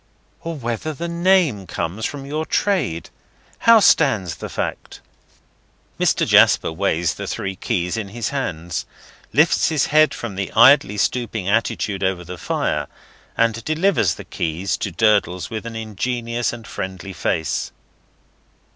"Or whether the name comes from your trade. How stands the fact?" Mr. Jasper weighs the three keys in his hand, lifts his head from his idly stooping attitude over the fire, and delivers the keys to Durdles with an ingenuous and friendly face.